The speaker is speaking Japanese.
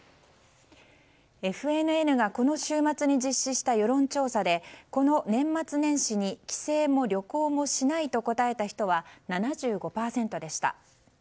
ＦＮＮがこの週末に実施した世論調査でこの年末年始に帰省も旅行もしないと答えた人は７５％でした。